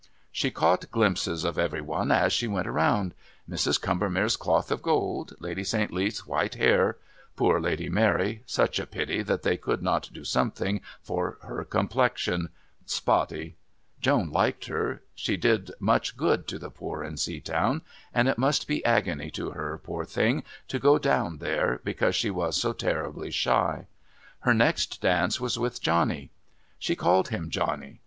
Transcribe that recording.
She caught glimpses of every one as they went round. Mrs. Combermere's cloth of gold, Lady St. Leath's white hair. Poor Lady Mary such a pity that they could not do something for her complexion. Spotty. Joan liked her. She did much good to the poor in Seatown, and it must be agony to her, poor thing, to go down there, because she was so terribly shy. Her next dance was with Johnny. She called him Johnny.